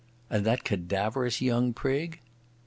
"And that cadaverous young prig?"